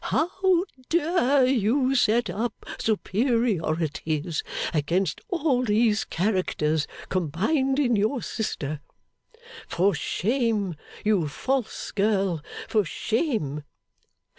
How dare you set up superiorities against all these characters combined in your sister? For shame, you false girl, for shame!